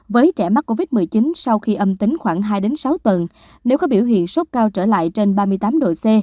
với trẻ mắc covid một mươi chín sau khi âm tính khoảng hai sáu tuần nếu có biểu hiện sốt cao trở lại trên ba mươi tám độ c